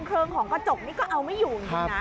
คือโครงของกระจกนี้ก็เอาไม่อยู่นะครับ